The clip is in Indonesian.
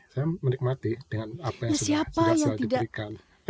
saya menikmati dengan apa yang sudah selalu diberikan